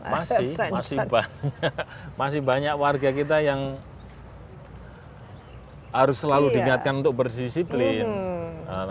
masih masih banyak warga kita yang harus selalu diingatkan untuk bersisiplin